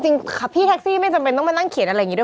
จริงพี่แท็กซี่ไม่จำเป็นต้องมานั่งเขียนอะไรอย่างนี้ด้วย